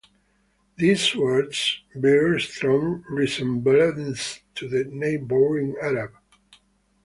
These swords bear strong resemblances to the neighboring Arab.